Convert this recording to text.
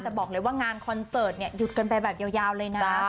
แต่บอกเลยว่างานคอนเสิร์ตเนี่ยหยุดกันไปแบบยาวเลยนะ